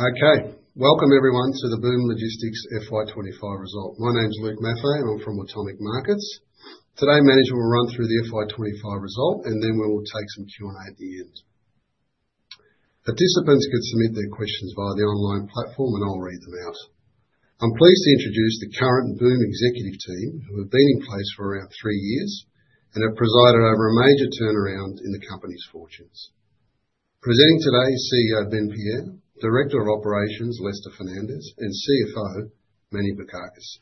Okay. Welcome, everyone, to the Boom Logistics FY25 Result. My name's Luke Maffei, and I'm from Automic Markets. Today, Manager will run through the FY25 result, and then we will take some Q&A at the end. Participants could submit their questions via the online platform, and I'll read them out. I'm pleased to introduce the current Boom executive team, who have been in place for around three years and have presided over a major turnaround in the company's fortunes. Presenting today is CEO Ben Pieyre, Director of Operations Lester Fernandez, and CFO Manny Bikakis.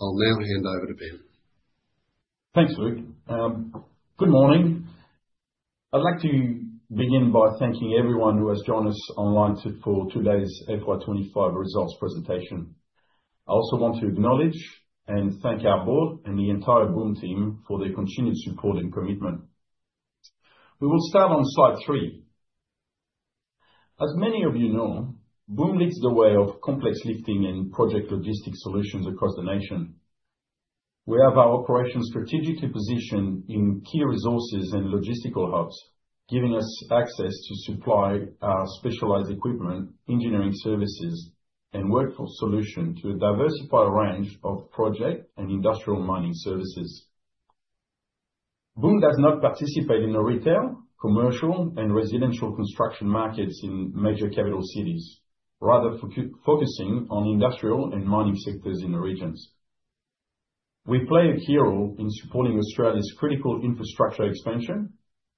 I'll now hand over to Ben. Thanks, Luke. Good morning. I'd like to begin by thanking everyone who has joined us online for today's FY25 Results presentation. I also want to acknowledge and thank our board and the entire Boom team for their continued support and commitment. We will start on slide three. As many of you know, Boom leads the way of complex lifting and project logistics solutions across the nation. We have our operations strategically positioned in key resources and logistical hubs, giving us access to supply our specialized equipment, engineering services, and workforce solutions to diversify a range of project and industrial mining services. Boom does not participate in the retail, commercial, and residential construction markets in major capital cities, rather focusing on industrial and mining sectors in the regions. We play a key role in supporting Australia's critical infrastructure expansion,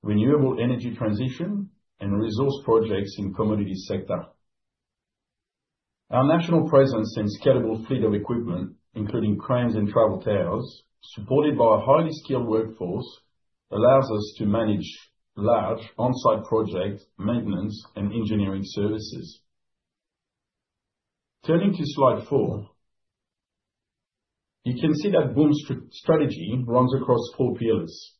renewable energy transition, and resource projects in the commodity sector. Our national presence and scalable fleet of equipment, including cranes and travel towers, supported by a highly skilled workforce, allows us to manage large on-site project maintenance and engineering services. Turning to slide four, you can see that Boom's strategy runs across four pillars: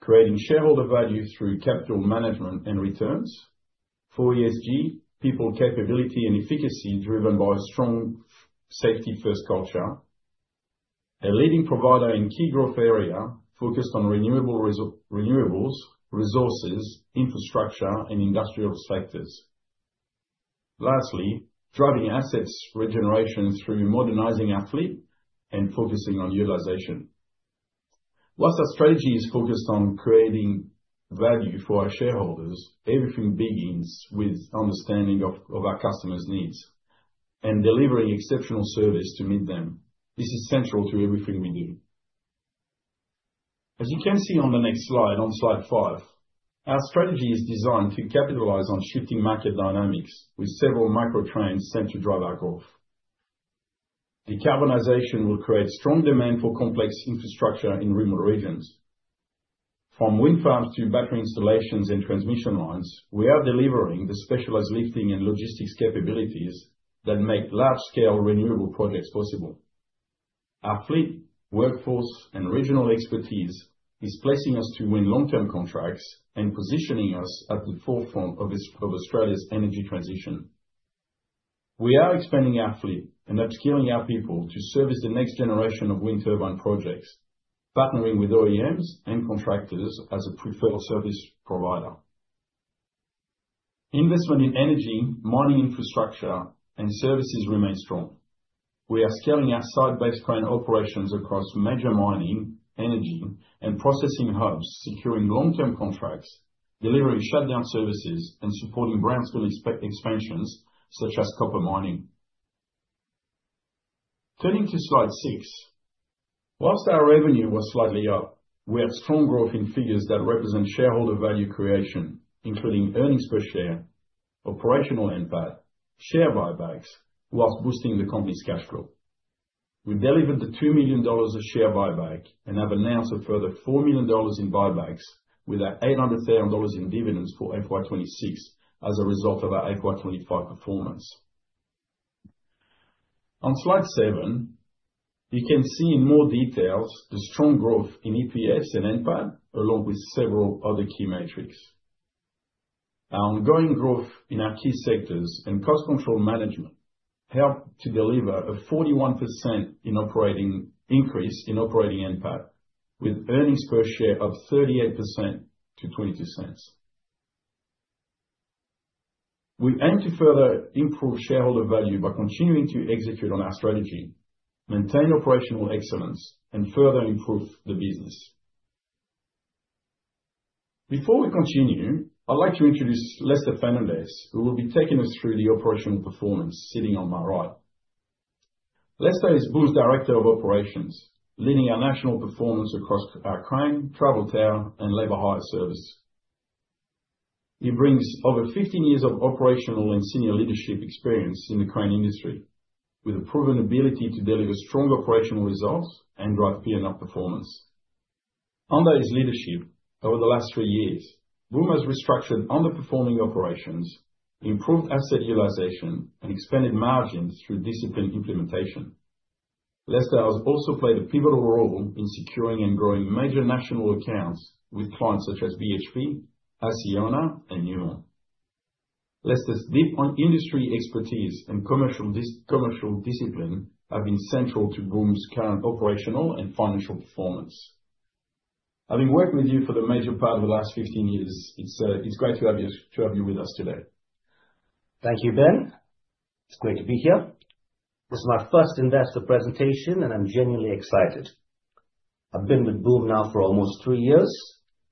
creating shareholder value through capital management and returns, ESG, people capability and efficacy driven by a strong safety-first culture, a leading provider in key growth area focused on renewables, resources, infrastructure, and industrial sectors. Lastly, driving assets regeneration through modernizing our fleet and focusing on utilization. Whilst our strategy is focused on creating value for our shareholders, everything begins with understanding of our customers' needs and delivering exceptional service to meet them. This is central to everything we do. As you can see on the next slide, on slide five, our strategy is designed to capitalize on shifting market dynamics, with several micro-cranes sent to drive our growth. Decarbonization will create strong demand for complex infrastructure in remote regions. From wind farms to battery installations and transmission lines, we are delivering the specialized lifting and logistics capabilities that make large-scale renewable projects possible. Our fleet, workforce, and regional expertise is placing us to win long-term contracts and positioning us at the forefront of Australia's energy transition. We are expanding our fleet and upskilling our people to service the next generation of wind turbine projects, partnering with OEMs and contractors as a preferred service provider. Investment in energy, mining infrastructure, and services remains strong. We are scaling our site-based crane operations across major mining, energy, and processing hubs, securing long-term contracts, delivering shutdown services, and supporting brownstone expansions such as copper mining. Turning to slide six, whilst our revenue was slightly up, we had strong growth in figures that represent shareholder value creation, including earnings per share, operational impact, and share buybacks, whilst boosting the company's cash flow. We delivered the 2 million dollars of share buyback and have announced a further 4 million dollars in buybacks with our 800,000 dollars in dividends for FY26 as a result of our FY25 performance. On slide seven, you can see in more detail the strong growth in EPS and NPAT, along with several other key metrics. Our ongoing growth in our key sectors and cost control management helped to deliver a 41% increase in operating NPAT, with earnings per share up 38% to 22 cents. We aim to further improve shareholder value by continuing to execute on our strategy, maintain operational excellence, and further improve the business. Before we continue, I'd like to introduce Lester Fernandez, who will be taking us through the operational performance sitting on my right. Lester is Boom's Director of Operations, leading our national performance across our crane, travel tower, and labor hire service. He brings over 15 years of operational and senior leadership experience in the crane industry, with a proven ability to deliver strong operational results and drive P&L performance. Under his leadership, over the last three years, Boom has restructured underperforming operations, improved asset utilization, and expanded margins through disciplined implementation. Lester has also played a pivotal role in securing and growing major national accounts with clients such as BHP, Aseana, and NUMO. Lester's deep industry expertise and commercial discipline have been central to Boom's current operational and financial performance. Having worked with you for the major part of the last 15 years, it's great to have you with us today. Thank you, Ben. It's great to be here. This is my first investor presentation, and I'm genuinely excited. I've been with Boom now for almost three years,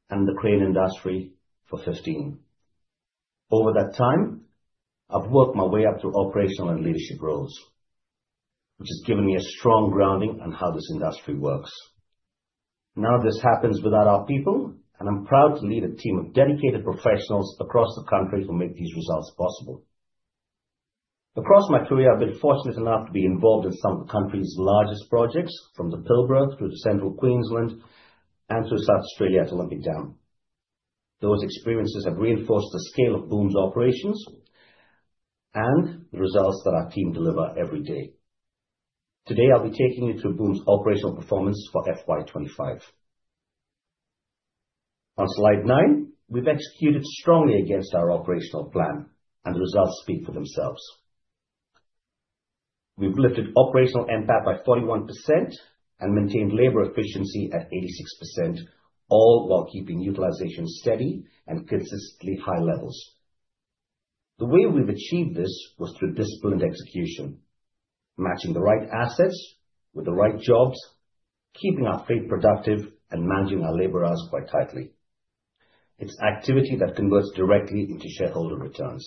and the crane industry for 15. Over that time, I've worked my way up through operational and leadership roles, which has given me a strong grounding on how this industry works. None of this happens without our people, and I'm proud to lead a team of dedicated professionals across the country who make these results possible. Across my career, I've been fortunate enough to be involved in some of the country's largest projects, from the Pilbara through to Central Queensland and through South Australia at Olympic Dam. Those experiences have reinforced the scale of Boom's operations and the results that our team delivers every day. Today, I'll be taking you through Boom's operational performance for FY25. On slide nine, we've executed strongly against our operational plan, and the results speak for themselves. We've lifted operational NPAT by 41% and maintained labor efficiency at 86%, all while keeping utilization steady and consistently high levels. The way we've achieved this was through disciplined execution, matching the right assets with the right jobs, keeping our fleet productive, and managing our labor hours quite tightly. It's activity that converts directly into shareholder returns.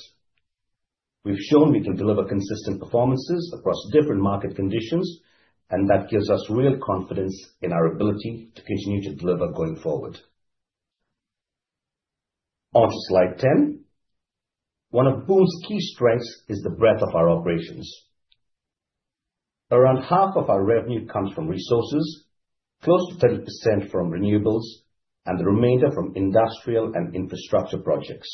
We've shown we can deliver consistent performances across different market conditions, and that gives us real confidence in our ability to continue to deliver going forward. Onto slide 10. One of Boom's key strengths is the breadth of our operations. Around half of our revenue comes from resources, close to 30% from renewables, and the remainder from industrial and infrastructure projects.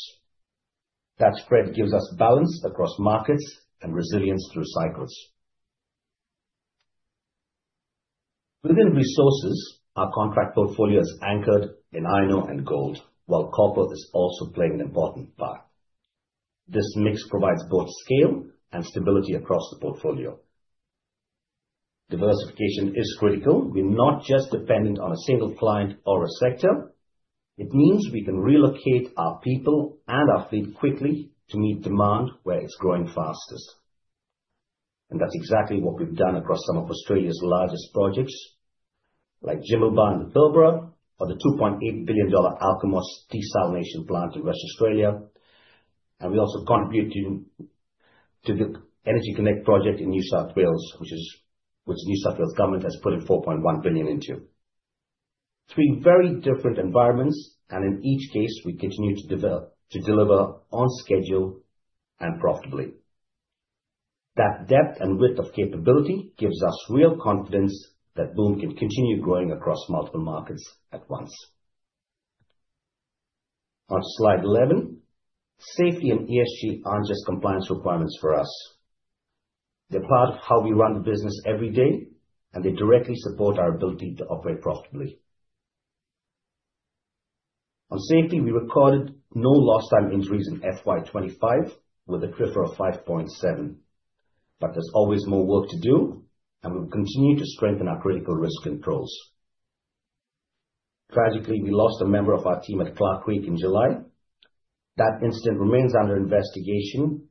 That spread gives us balance across markets and resilience through cycles. Within resources, our contract portfolio is anchored in iron ore and gold, while copper is also playing an important part. This mix provides both scale and stability across the portfolio. Diversification is critical. We're not just dependent on a single client or a sector. It means we can relocate our people and our fleet quickly to meet demand where it's growing fastest. That's exactly what we've done across some of Australia's largest projects, like Jimblebar in the Pilbara or the AUD 2.8 billion Alkimos Desalination Plant in West Australia. We also contribute to the EnergyConnect Project in New South Wales, which New South Wales government has put in 4.1 billion into. Three very different environments, and in each case, we continue to deliver on schedule and profitably. That depth and width of capability gives us real confidence that Boom can continue growing across multiple markets at once. Onto slide 11. Safety and ESG are not just compliance requirements for us. They are part of how we run the business every day, and they directly support our ability to operate profitably. On safety, we recorded no lost-time injuries in FY25 with a CRIF of 5.7. There is always more work to do, and we will continue to strengthen our critical risk controls. Tragically, we lost a member of our team at Clark Creek in July. That incident remains under investigation,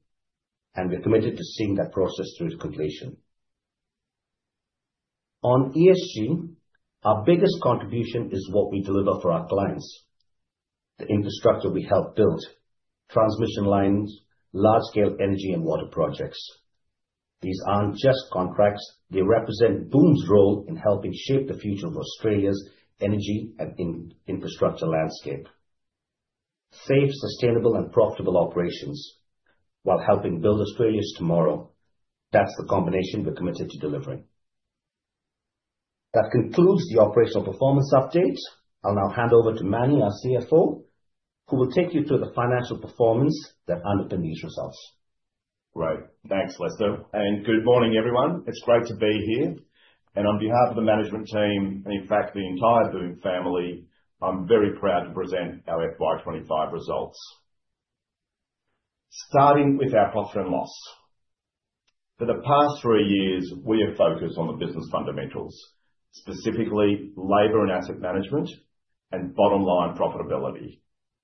and we are committed to seeing that process through to completion. On ESG, our biggest contribution is what we deliver for our clients: the infrastructure we help build, transmission lines, large-scale energy and water projects. These are not just contracts. They represent Boom's role in helping shape the future of Australia's energy and infrastructure landscape. Safe, sustainable, and profitable operations while helping build Australia's tomorrow. That is the combination we are committed to delivering. That concludes the operational performance update. I'll now hand over to Manny, our CFO, who will take you through the financial performance that underpinned these results. Great. Thanks, Lester. Good morning, everyone. It's great to be here. On behalf of the management team, and in fact, the entire Boom family, I'm very proud to present our FY25 results. Starting with our profit and loss. For the past three years, we have focused on the business fundamentals, specifically labor and asset management and bottom-line profitability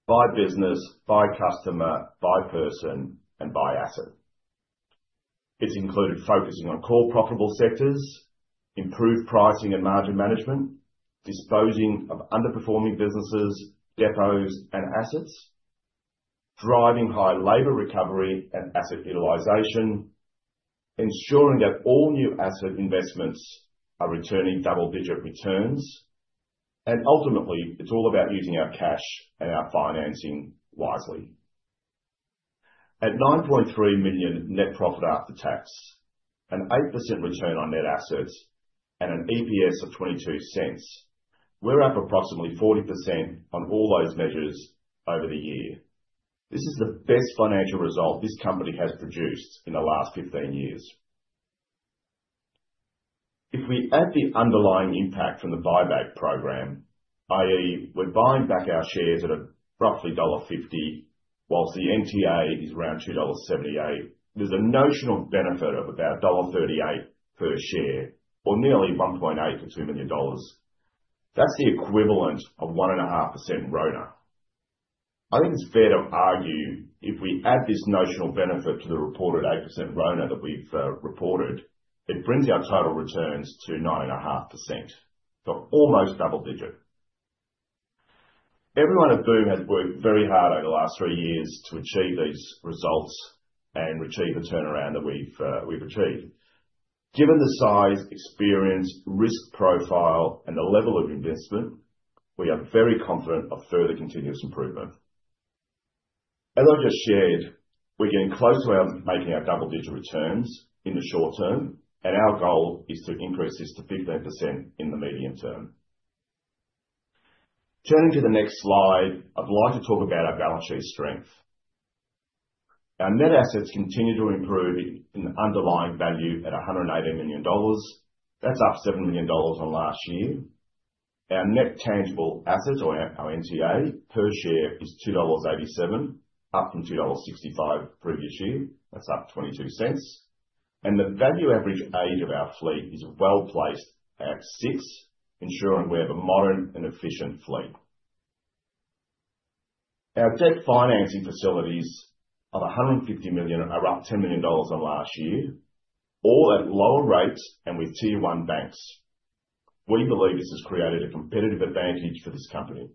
by business, by customer, by person, and by asset. It's included focusing on core profitable sectors, improved pricing and margin management, disposing of underperforming businesses, depots, and assets, driving high labor recovery and asset utilization, ensuring that all new asset investments are returning double-digit returns. Ultimately, it's all about using our cash and our financing wisely. At 9.3 million net profit after tax, an 8% return on net assets, and an EPS of 0.22, we're up approximately 40% on all those measures over the year. This is the best financial result this company has produced in the last 15 years. If we add the underlying impact from the buyback program, i.e., we're buying back our shares at roughly dollar 1.50, whilst the NTA is around 2.78 dollars, there's a notional benefit of about dollar 1.38 per share, or nearly 1.8-2 million dollars. That's the equivalent of 1.5% RONA. I think it's fair to argue if we add this notional benefit to the reported 8% RONA that we've reported, it brings our total returns to 9.5%, so almost double-digit. Everyone at Boom has worked very hard over the last three years to achieve these results and achieve the turnaround that we've achieved. Given the size, experience, risk profile, and the level of investment, we are very confident of further continuous improvement. As I just shared, we're getting close to making our double-digit returns in the short term, and our goal is to increase this to 15% in the medium term. Turning to the next slide, I'd like to talk about our balance sheet strength. Our net assets continue to improve in underlying value at 180 million dollars. That's up 7 million dollars from last year. Our net tangible asset, or our NTA, per share is 2.87 dollars, up from 2.65 dollars previous year. That's up 22 cents. The value-average age of our fleet is well placed at six, ensuring we have a modern and efficient fleet. Our debt financing facilities of 150 million are up 10 million dollars from last year, all at lower rates and with tier one banks. We believe this has created a competitive advantage for this company.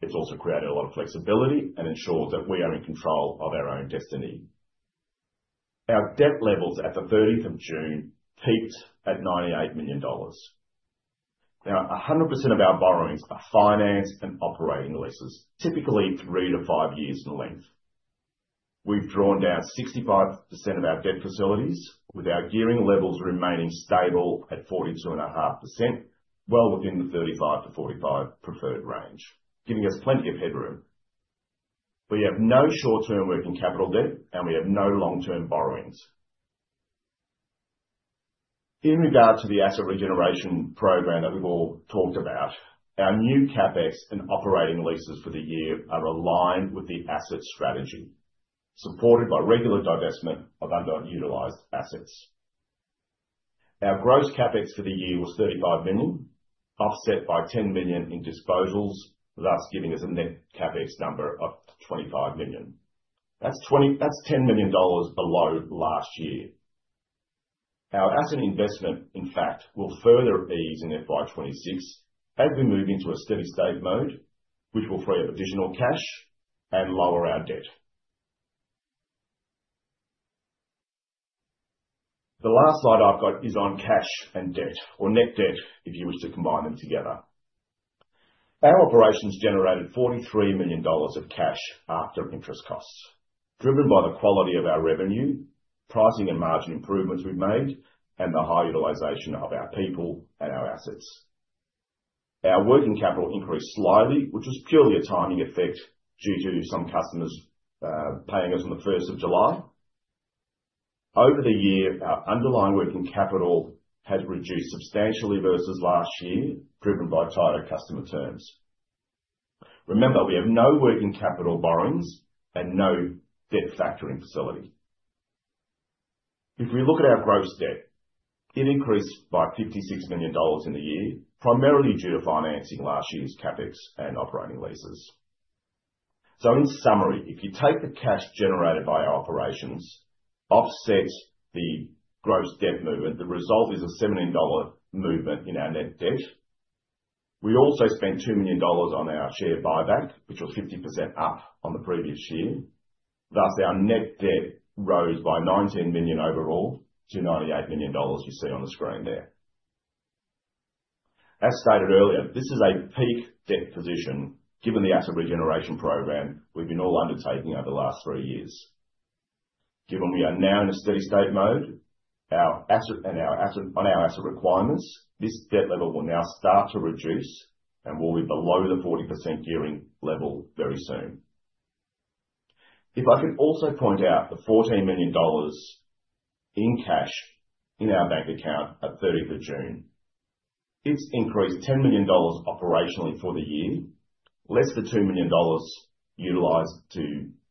It's also created a lot of flexibility and ensures that we are in control of our own destiny. Our debt levels at the 30th of June peaked at 98 million dollars. Now, 100% of our borrowings are financed and operating leases, typically three to five years in length. We've drawn down 65% of our debt facilities, with our gearing levels remaining stable at 42.5%, well within the 35-45% preferred range, giving us plenty of headroom. We have no short-term working capital debt, and we have no long-term borrowings. In regard to the asset regeneration program that we've all talked about, our new CapEx and operating leases for the year are aligned with the asset strategy, supported by regular divestment of underutilized assets. Our gross CapEx for the year was 35 million, offset by 10 million in disposals, thus giving us a net CapEx number of 25 million. That's 10 million dollars below last year. Our asset investment, in fact, will further ease in FY26 as we move into a steady-state mode, which will free up additional cash and lower our debt. The last slide I've got is on cash and debt, or net debt if you wish to combine them together. Our operations generated 43 million dollars of cash after interest costs, driven by the quality of our revenue, pricing, and margin improvements we've made, and the high utilization of our people and our assets. Our working capital increased slightly, which was purely a timing effect due to some customers paying us on the 1st of July. Over the year, our underlying working capital has reduced substantially versus last year, driven by tighter customer terms. Remember, we have no working capital borrowings and no debt factoring facility. If we look at our gross debt, it increased by 56 million dollars in the year, primarily due to financing last year's CapEx and operating leases. In summary, if you take the cash generated by our operations, offset the gross debt movement, the result is a 17 million dollar movement in our net debt. We also spent 2 million dollars on our share buyback, which was 50% up on the previous year. Thus, our net debt rose by 19 million overall to 98 million dollars you see on the screen there. As stated earlier, this is a peak debt position given the asset regeneration program we have all been undertaking over the last three years. Given we are now in a steady-state mode and our asset requirements, this debt level will now start to reduce and will be below the 40% gearing level very soon. If I could also point out the 14 million dollars in cash in our bank account at 30th of June, it's increased 10 million dollars operationally for the year, less the 2 million dollars utilized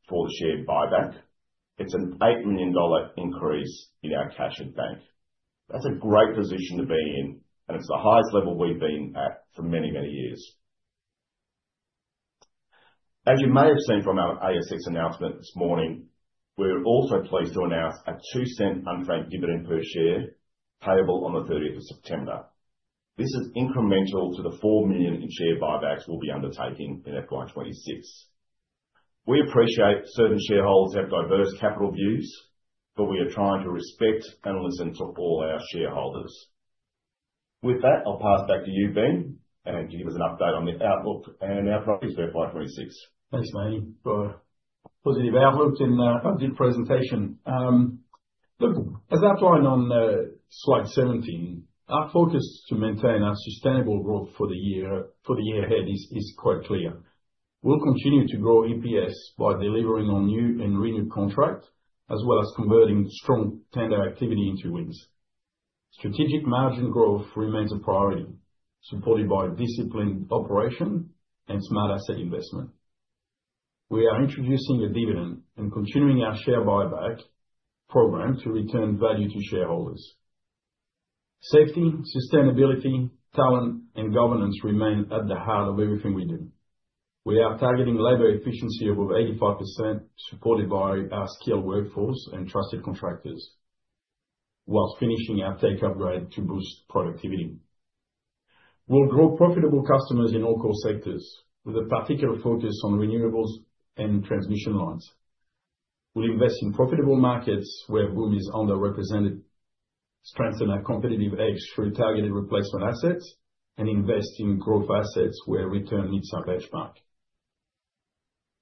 for the share buyback. It's an 8 million dollar increase in our cash in bank. That's a great position to be in, and it's the highest level we've been at for many, many years. As you may have seen from our ASX announcement this morning, we're also pleased to announce a 0.02 unfranked dividend per share payable on the 30th of September. This is incremental to the 4 million in share buybacks we'll be undertaking in FY26. We appreciate certain shareholders have diverse capital views, but we are trying to respect and listen to all our shareholders. With that, I'll pass back to you, Ben, and give us an update on the outlook and our projects for FY26. Thanks, Manny. For positive outlook and a good presentation. Luke, as outlined on slide 17, our focus to maintain our sustainable growth for the year ahead is quite clear. We'll continue to grow EPS by delivering on new and renewed contracts, as well as converting strong tender activity into wins. Strategic margin growth remains a priority, supported by disciplined operation and smart asset investment. We are introducing a dividend and continuing our share buyback program to return value to shareholders. Safety, sustainability, talent, and governance remain at the heart of everything we do. We are targeting labor efficiency above 85%, supported by our skilled workforce and trusted contractors, whilst finishing our tech upgrade to boost productivity. We'll grow profitable customers in all core sectors, with a particular focus on renewables and transmission lines. We'll invest in profitable markets where Boom is underrepresented, strengthen our competitive edge through targeted replacement assets, and invest in growth assets where return meets our benchmark.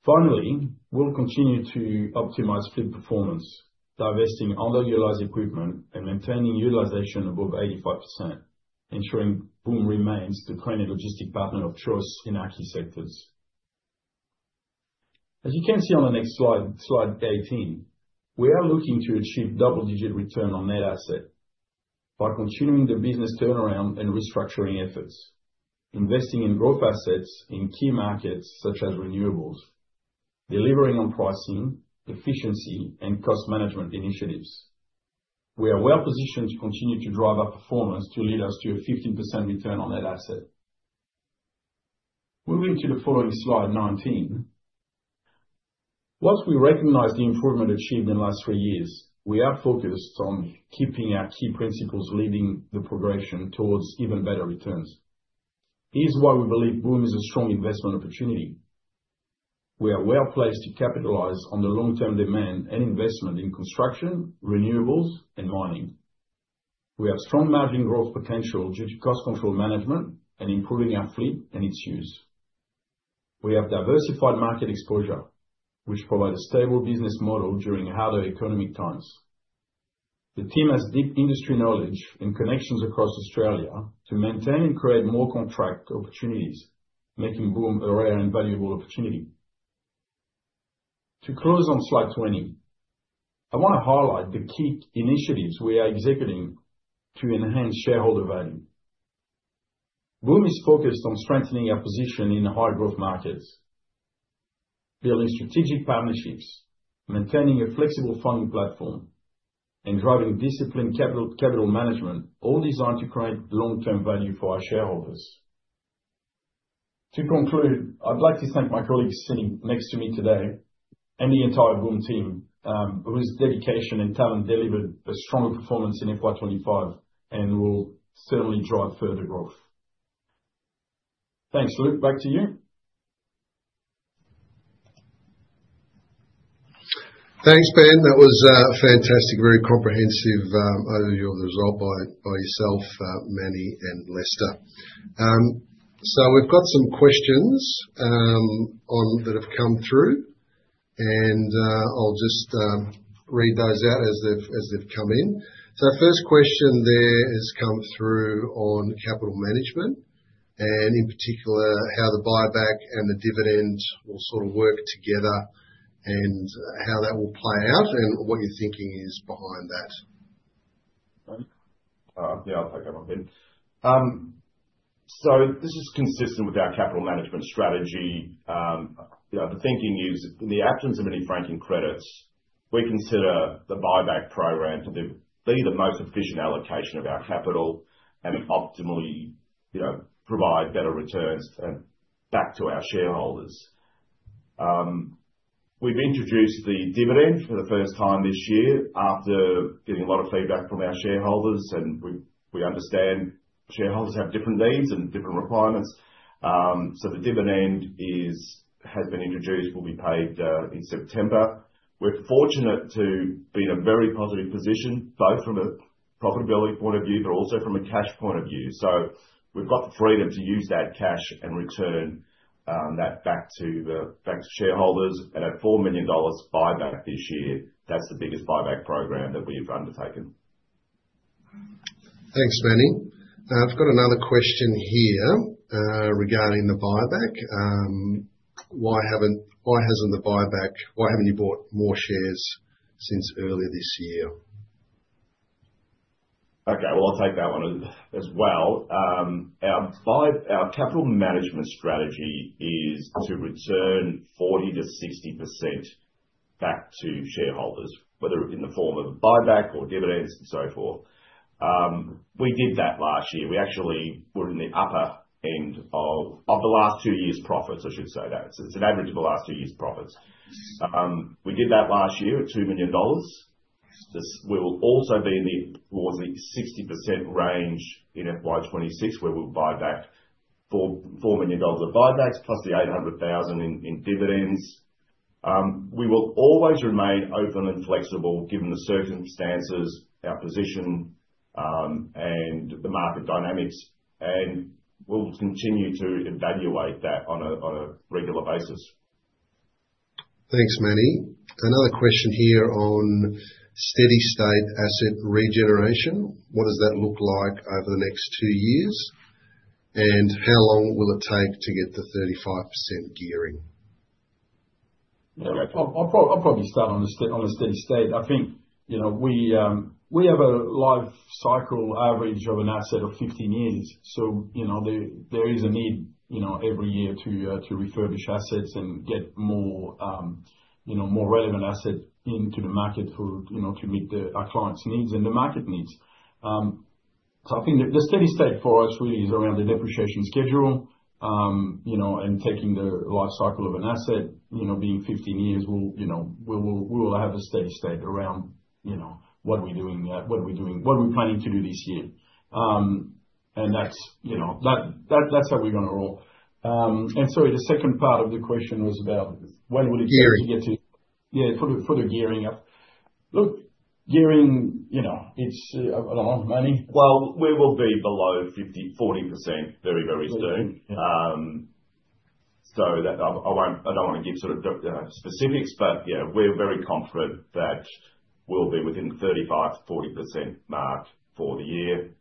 Finally, we'll continue to optimize fleet performance, divesting underutilized equipment and maintaining utilization above 85%, ensuring Boom remains the training logistic partner of choice in key sectors. As you can see on the next slide, slide 18, we are looking to achieve double-digit return on net asset by continuing the business turnaround and restructuring efforts, investing in growth assets in key markets such as renewables, delivering on pricing, efficiency, and cost management initiatives. We are well positioned to continue to drive our performance to lead us to a 15% return on net asset. Moving to the following slide, 19. Once we recognize the improvement achieved in the last three years, we are focused on keeping our key principles leading the progression towards even better returns. Here's why we believe Boom is a strong investment opportunity. We are well placed to capitalize on the long-term demand and investment in construction, renewables, and mining. We have strong margin growth potential due to cost control management and improving our fleet and its use. We have diversified market exposure, which provides a stable business model during harder economic times. The team has deep industry knowledge and connections across Australia to maintain and create more contract opportunities, making Boom a rare and valuable opportunity. To close on slide 20, I want to highlight the key initiatives we are executing to enhance shareholder value. Boom is focused on strengthening our position in high-growth markets, building strategic partnerships, maintaining a flexible funding platform, and driving disciplined capital management, all designed to create long-term value for our shareholders. To conclude, I'd like to thank my colleagues sitting next to me today and the entire Boom team, whose dedication and talent delivered a stronger performance in FY25 and will certainly drive further growth. Thanks. Luke, back to you. Thanks, Ben. That was a fantastic, very comprehensive overview of the result by yourself, Manny and Lester. We've got some questions that have come through, and I'll just read those out as they've come in. The first question there has come through on capital management, and in particular, how the buyback and the dividend will sort of work together and how that will play out and what your thinking is behind that. Yeah, I'll take that one, Ben. This is consistent with our capital management strategy. The thinking is, in the absence of any franking credits, we consider the buyback program to be the most efficient allocation of our capital and optimally provide better returns back to our shareholders. We've introduced the dividend for the first time this year after getting a lot of feedback from our shareholders, and we understand shareholders have different needs and different requirements. The dividend has been introduced, will be paid in September. We're fortunate to be in a very positive position, both from a profitability point of view, but also from a cash point of view. We've got the freedom to use that cash and return that back to shareholders. At 4 million dollars buyback this year, that's the biggest buyback program that we've undertaken. Thanks, Manny. I've got another question here regarding the buyback. Why hasn't the buyback, why haven't you bought more shares since earlier this year? Okay, I will take that one as well. Our capital management strategy is to return 40-60% back to shareholders, whether in the form of a buyback or dividends and so forth. We did that last year. We actually were in the upper end of the last two years' profits, I should say that. It is an average of the last two years' profits. We did that last year at 2 million dollars. We will also be in the 60% range in FY26, where we will buy back 4 million dollars of buybacks plus the 800,000 in dividends. We will always remain open and flexible given the circumstances, our position, and the market dynamics, and we will continue to evaluate that on a regular basis. Thanks, Manny. Another question here on steady-state asset regeneration. What does that look like over the next two years, and how long will it take to get the 35% gearing? I'll probably start on the steady-state. I think we have a life cycle average of an asset of 15 years. There is a need every year to refurbish assets and get more relevant assets into the market to meet our clients' needs and the market needs. I think the steady-state for us really is around the depreciation schedule and taking the life cycle of an asset being 15 years. We will have a steady-state around what are we doing, what are we planning to do this year. That's how we're going to roll. Sorry, the second part of the question was about when will it get to. Gearing. Yeah, for the gearing up. Luke, gearing, it's a long, Manny? We will be below 40% very, very soon. I do not want to give sort of specifics, but yeah, we are very confident that we will be within the 35-40% mark for the year.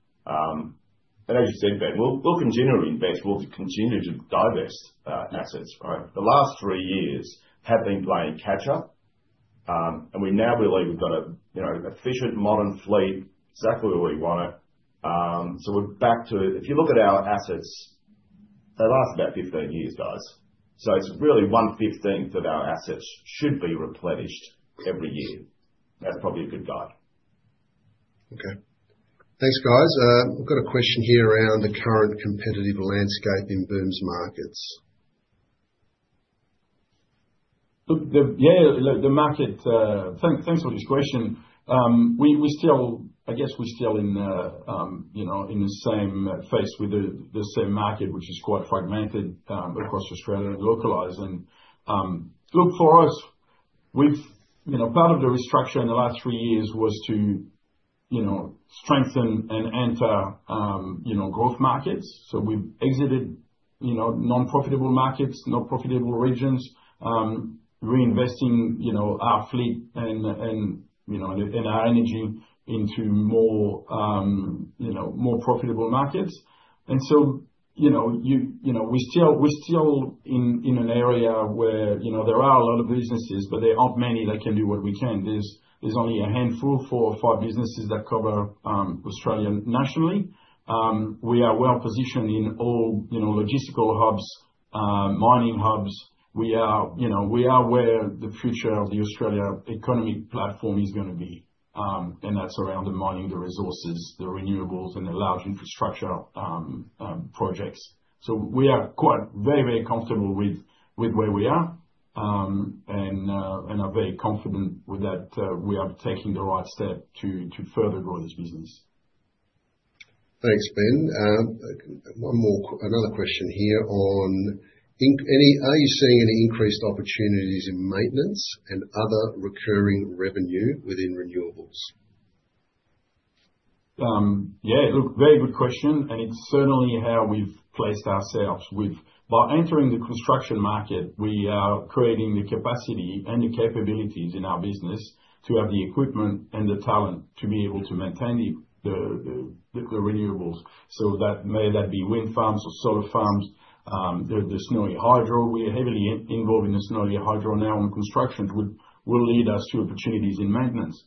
As you said, Ben, we will continue to invest, we will continue to divest assets, right? The last three years have been playing catch-up, and we now believe we have got an efficient, modern fleet, exactly where we want it. If you look at our assets, they last about 15 years, guys. It is really one-fifteenth of our assets should be replenished every year. That is probably a good guide. Okay. Thanks, guys. We've got a question here around the current competitive landscape in Boom's markets. Luke, yeah, look, the market, thanks for this question. I guess we're still in the same phase with the same market, which is quite fragmented across Australia and localized. Luke, for us, part of the restructure in the last three years was to strengthen and enter growth markets. We have exited non-profitable markets, non-profitable regions, reinvesting our fleet and our energy into more profitable markets. We are still in an area where there are a lot of businesses, but there are not many that can do what we can. There is only a handful, four or five businesses that cover Australia nationally. We are well positioned in all logistical hubs, mining hubs. We are where the future of the Australia economy platform is going to be, and that is around the mining, the resources, the renewables, and the large infrastructure projects. We are very, very comfortable with where we are and are very confident that we are taking the right step to further grow this business. Thanks, Ben. One more question, another question here on, are you seeing any increased opportunities in maintenance and other recurring revenue within renewables? Yeah, Luke, very good question, and it's certainly how we've placed ourselves. By entering the construction market, we are creating the capacity and the capabilities in our business to have the equipment and the talent to be able to maintain the renewables. That may be wind farms or solar farms, the Snowy Hydro. We're heavily involved in the Snowy Hydro now on construction, which will lead us to opportunities in maintenance.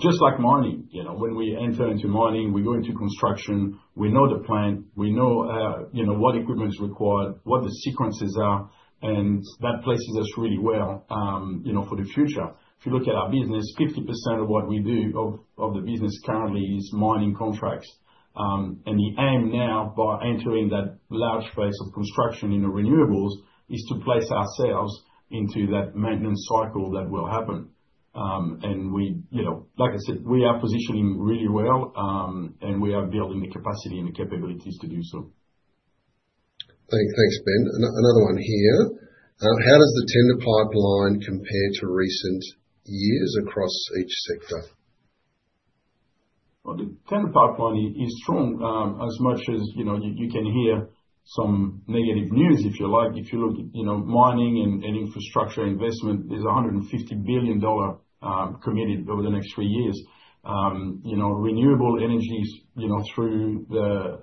Just like mining, when we enter into mining, we go into construction, we know the plant, we know what equipment is required, what the sequences are, and that places us really well for the future. If you look at our business, 50% of what we do, of the business currently, is mining contracts. The aim now, by entering that large space of construction in the renewables, is to place ourselves into that maintenance cycle that will happen. Like I said, we are positioning really well, and we are building the capacity and the capabilities to do so. Thanks, Ben. Another one here. How does the tender pipeline compare to recent years across each sector? The tender pipeline is strong as much as you can hear some negative news, if you like. If you look at mining and infrastructure investment, there is 150 billion dollar committed over the next three years. Renewable energy through the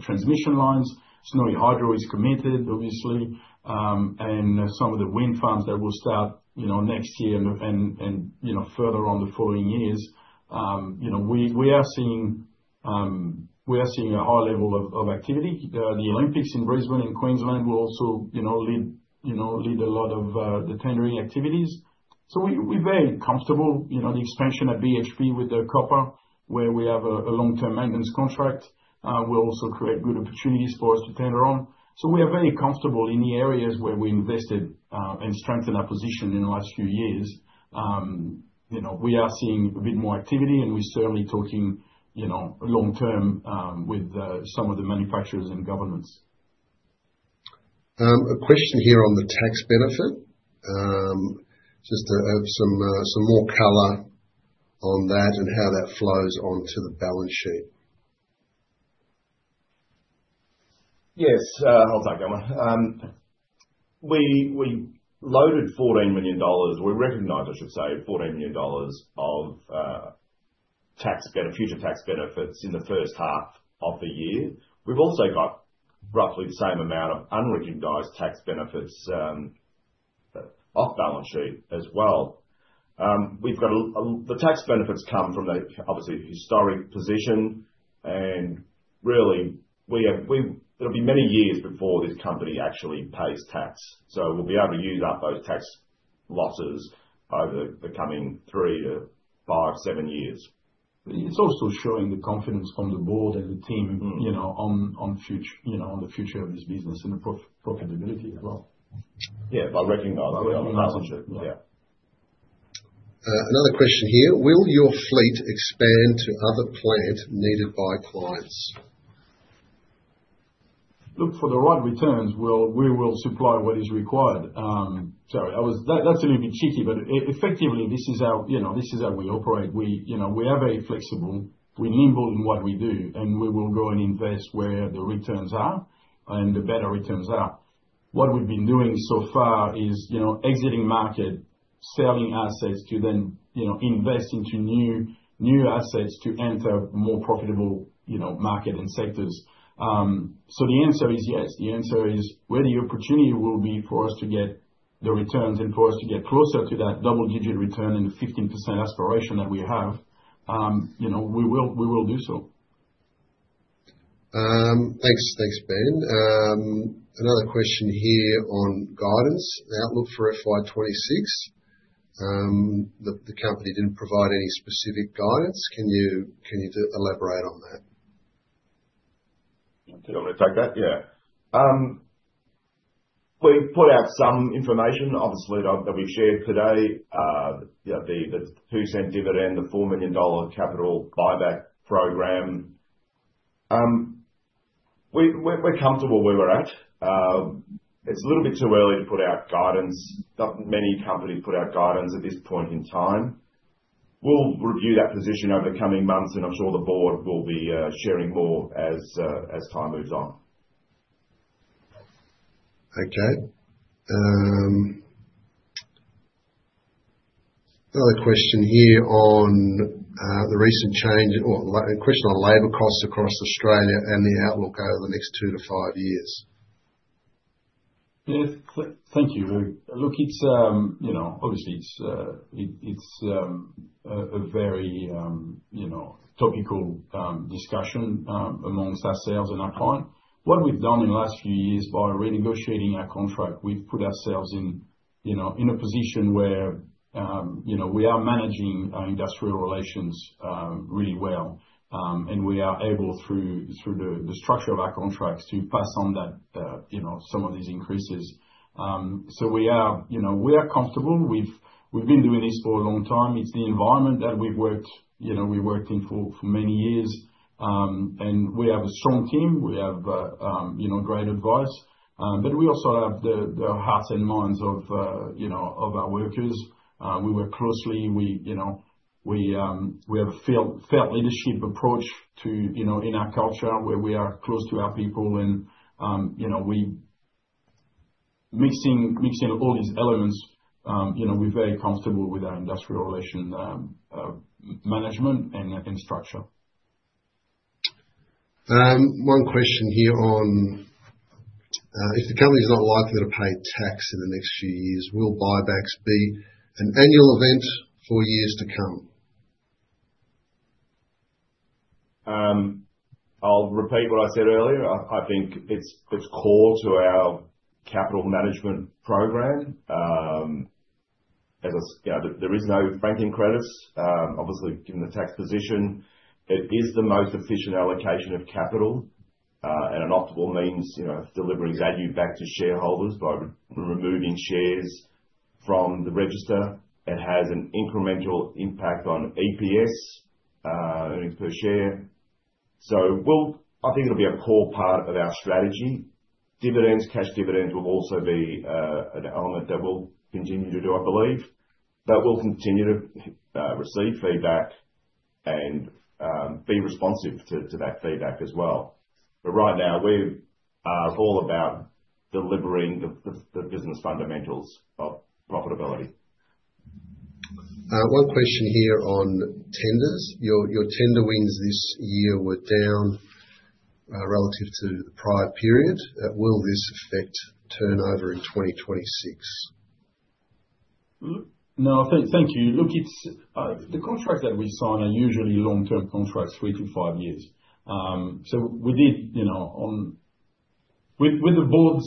transmission lines, Snowy Hydro is committed, obviously, and some of the wind farms that will start next year and further on the following years. We are seeing a high level of activity. The Olympics in Brisbane and Queensland will also lead a lot of the tendering activities. We are very comfortable. The expansion at BHP with the copper, where we have a long-term maintenance contract, will also create good opportunities for us to tender on. We are very comfortable in the areas where we invested and strengthened our position in the last few years. We are seeing a bit more activity, and we're certainly talking long-term with some of the manufacturers and governments. A question here on the tax benefit. Just to have some more color on that and how that flows onto the balance sheet. Yes, I'll take that one. We loaded 14 million dollars. We recognized, I should say, 14 million dollars of future tax benefits in the first half of the year. We've also got roughly the same amount of unrecognized tax benefits off balance sheet as well. The tax benefits come from the, obviously, historic position, and really, it'll be many years before this company actually pays tax. So we'll be able to use up those tax losses over the coming three to five, seven years. It's also showing the confidence from the board and the team on the future of this business and the profitability as well. Yeah, by recognizing it on the balance sheet. Yeah. Another question here. Will your fleet expand to other plant needed by clients? Luke, for the right returns, we will supply what is required. Sorry, that's a little bit cheeky, but effectively, this is how we operate. We are very flexible. We nibble on what we do, and we will go and invest where the returns are and the better returns are. What we've been doing so far is exiting market, selling assets to then invest into new assets to enter more profitable market and sectors. The answer is yes. The answer is where the opportunity will be for us to get the returns and for us to get closer to that double-digit return and the 15% aspiration that we have, we will do so. Thanks, Ben. Another question here on guidance, the outlook for FY26. The company did not provide any specific guidance. Can you elaborate on that? Do you want me to take that? Yeah. We put out some information, obviously, that we've shared today, the 2% dividend, the 4 million dollar capital buyback program. We're comfortable where we're at. It's a little bit too early to put out guidance. Not many companies put out guidance at this point in time. We'll review that position over the coming months, and I'm sure the board will be sharing more as time moves on. Okay. Another question here on the recent change, a question on labor costs across Australia and the outlook over the next two to five years. Yes, thank you. Luke, obviously, it's a very topical discussion amongst ourselves and our client. What we've done in the last few years by renegotiating our contract, we've put ourselves in a position where we are managing our industrial relations really well, and we are able, through the structure of our contracts, to pass on some of these increases. We are comfortable. We've been doing this for a long time. It's the environment that we've worked in for many years, and we have a strong team. We have great advice, but we also have the hearts and minds of our workers. We work closely. We have a felt leadership approach in our culture where we are close to our people, and mixing all these elements, we're very comfortable with our industrial relation management and structure. One question here on, if the company is not likely to pay tax in the next few years, will buybacks be an annual event for years to come? I'll repeat what I said earlier. I think it's core to our capital management program. There is no franking credits, obviously, given the tax position. It is the most efficient allocation of capital and an optimal means of delivering value back to shareholders by removing shares from the register. It has an incremental impact on EPS per share. I think it'll be a core part of our strategy. Cash dividends will also be an element that we'll continue to do, I believe, but we'll continue to receive feedback and be responsive to that feedback as well. Right now, we are all about delivering the business fundamentals of profitability. One question here on tenders. Your tender wins this year were down relative to the prior period. Will this affect turnover in 2026? No, thank you. Luke, the contracts that we sign are usually long-term contracts, three to five years. With the board's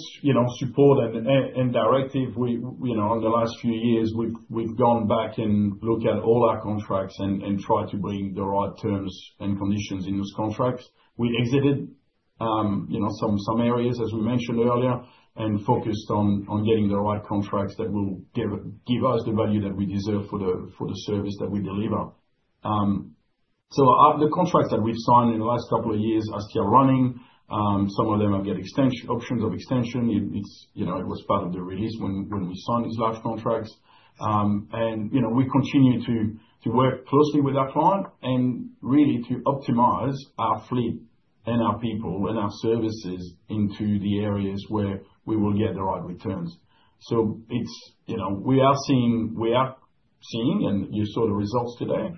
support and directive, in the last few years, we've gone back and looked at all our contracts and tried to bring the right terms and conditions in those contracts. We exited some areas, as we mentioned earlier, and focused on getting the right contracts that will give us the value that we deserve for the service that we deliver. The contracts that we've signed in the last couple of years are still running. Some of them have got options of extension. It was part of the release when we signed these large contracts. We continue to work closely with our client and really to optimize our fleet and our people and our services into the areas where we will get the right returns. We are seeing, and you saw the results today.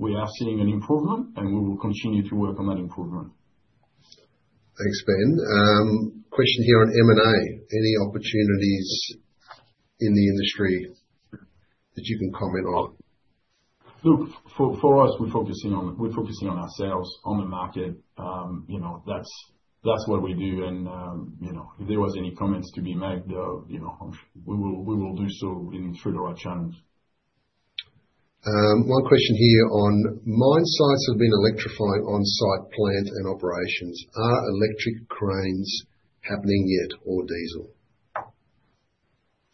We are seeing an improvement, and we will continue to work on that improvement. Thanks, Ben. Question here on M&A. Any opportunities in the industry that you can comment on? Luke, for us, we're focusing on ourselves, on the market. That's what we do. If there was any comments to be made, we will do so through the right channels. One question here on mine sites have been electrifying on-site plant and operations. Are electric cranes happening yet or diesel?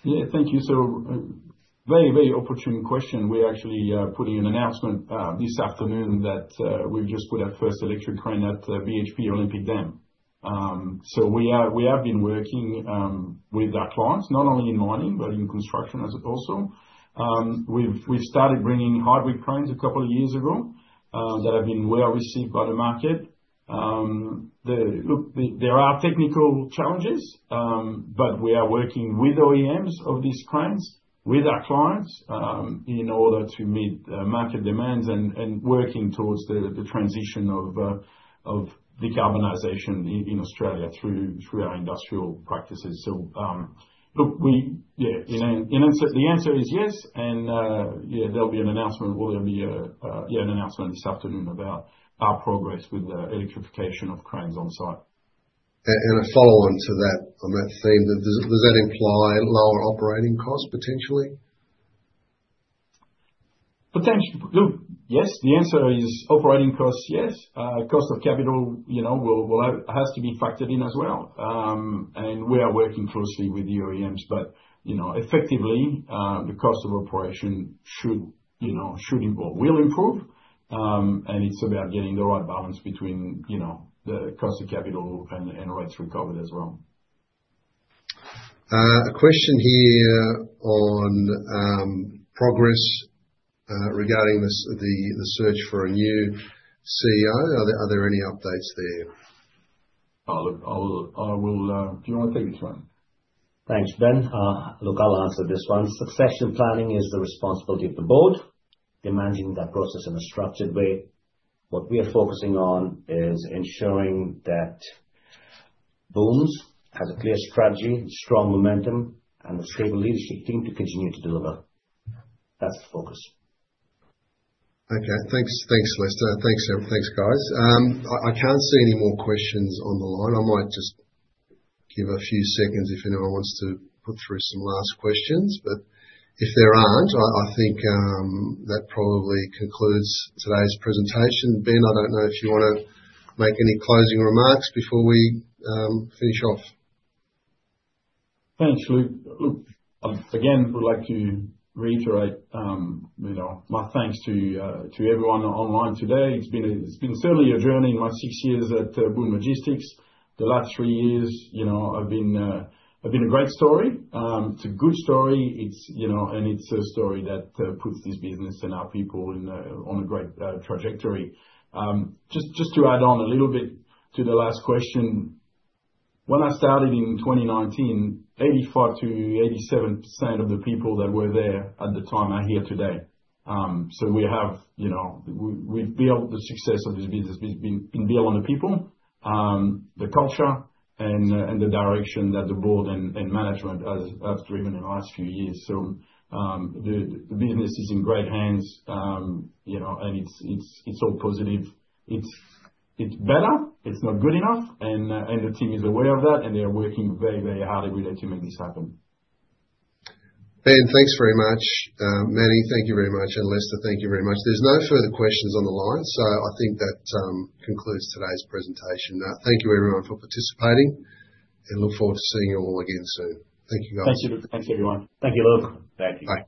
Yeah, thank you. Very, very opportune question. We're actually putting an announcement this afternoon that we've just put our first electric crane at BHP Olympic Dam. We have been working with our clients, not only in mining, but in construction also. We've started bringing hybrid cranes a couple of years ago that have been well received by the market. Look, there are technical challenges, but we are working with OEMs of these cranes, with our clients in order to meet market demands and working towards the transition of decarbonization in Australia through our industrial practices. The answer is yes. Yeah, there'll be an announcement. Will there be an announcement this afternoon about our progress with the electrification of cranes on-site? A follow-on to that, on that theme, does that imply lower operating costs potentially? Luke, yes, the answer is operating costs, yes. Cost of capital has to be factored in as well. We are working closely with the OEMs, but effectively, the cost of operation should improve. It is about getting the right balance between the cost of capital and rates recovered as well. A question here on progress regarding the search for a new CEO. Are there any updates there? Luke, do you want to take this one? Thanks, Ben. Luke, I'll answer this one. Succession planning is the responsibility of the board. Imagine that process in a structured way. What we are focusing on is ensuring that Boom has a clear strategy, strong momentum, and a stable leadership team to continue to deliver. That's the focus. Okay. Thanks, Lester. Thanks, guys. I can't see any more questions on the line. I might just give a few seconds if anyone wants to put through some last questions. If there aren't, I think that probably concludes today's presentation. Ben, I don't know if you want to make any closing remarks before we finish off. Thanks, Luke. Again, I would like to reiterate my thanks to everyone online today. It's been certainly a journey in my six years at Boom Logistics. The last three years have been a great story. It's a good story, and it's a story that puts this business and our people on a great trajectory. Just to add on a little bit to the last question, when I started in 2019, 85-87% of the people that were there at the time are here today. We have built the success of this business. It's been built on the people, the culture, and the direction that the board and management have driven in the last few years. The business is in great hands, and it's all positive. It's better. It's not good enough. The team is aware of that, and they are working very, very hard every day to make this happen. Ben, thanks very much. Manny, thank you very much. And Lester, thank you very much. There are no further questions on the line. I think that concludes today's presentation. Thank you, everyone, for participating, and look forward to seeing you all again soon. Thank you, guys. Thank you, Luke. Thanks, everyone. Thank you, Luke.